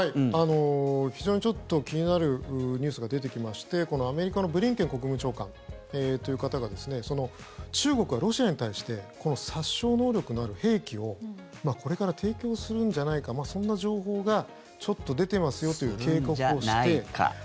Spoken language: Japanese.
非常にちょっと気になるニュースが出てきましてアメリカのブリンケン国務長官という方が中国はロシアに対して殺傷能力のある兵器をこれから提供するんじゃないかそんな情報がちょっと出てますよという警告をして。